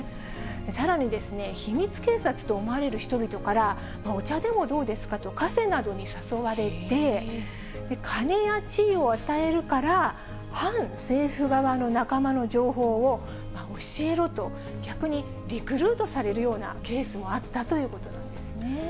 さらにですね、秘密警察と思われる人々から、お茶でもどうですか？とカフェなどに誘われて、金や地位を与えるから、反政府側の仲間の情報を教えろと、逆にリクルートされるようなケースもあったということなんですね。